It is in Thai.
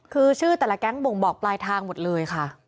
คือชื่อแต่ละแก๊งบ่งบอกปลายทางหมดเลยค่ะ